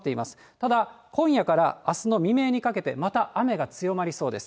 ただ今夜からあすの未明にかけて、また雨が強まりそうです。